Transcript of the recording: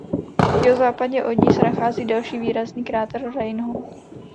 Jihozápadně od ní se nachází další výrazný kráter Reinhold.